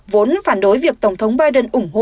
vốn phản đối việc tổng thống biden ủng hộ